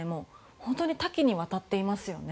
本当に多岐にわたっていますね。